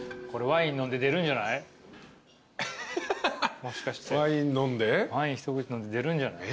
ワイン一口飲んで出るんじゃない？